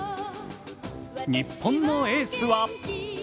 日本のエースは。